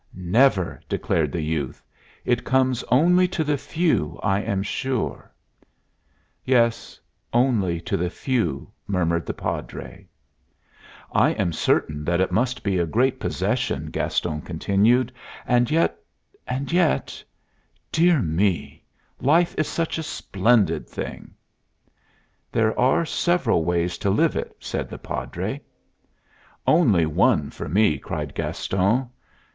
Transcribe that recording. "Never!" declared the youth. "It comes only to the few, I am sure." "Yes. Only to the few," murmured the Padre. "I am certain that it must be a great possession," Gaston continued; "and yet and yet dear me! life is a splendid thing!" "There are several ways to live it," said the Padre. "Only one for me!" cried Gaston.